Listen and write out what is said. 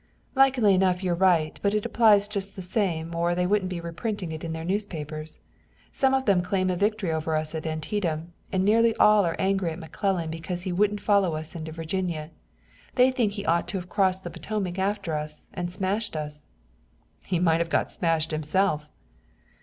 "Likely enough you're right, but it applies just the same or they wouldn't be reprinting it in their newspapers. Some of them claim a victory over us at Antietam, and nearly all are angry at McClellan because he wouldn't follow us into Virginia. They think he ought to have crossed the Potomac after us and smashed us." "He might have got smashed himself."